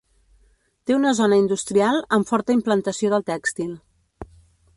Té una zona industrial amb forta implantació del tèxtil.